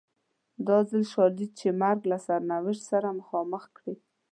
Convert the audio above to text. دا ځل شاید چې مرګ له سرنوشت سره مخامخ کړي.